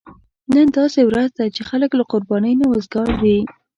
نن داسې ورځ ده چې خلک له قربانۍ نه وزګار دي.